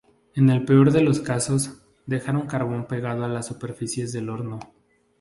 En el peor de los casos, dejaron carbón pegado a las superficies del horno.